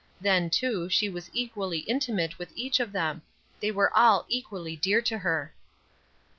Then, too, she was equally intimate with each of them; they were all equally dear to her.